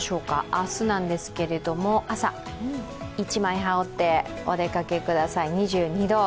明日ですけれども、朝、１枚羽織ってお出かけください、２２度。